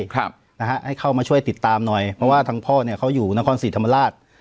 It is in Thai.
ครับนะฮะให้เข้ามาช่วยติดตามหน่อยเพราะว่าทางพ่อเนี่ยเขาอยู่นครศรีธรรมราช